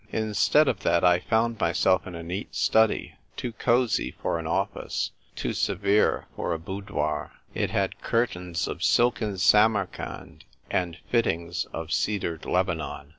Instead of that, I found myself in a neat study, — ^too cosy for an office, too severe for a bou doir. It had curtains of silken Samarcand, and fittings of cedared Lebanon.